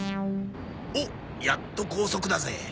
おっやっと高速だぜ！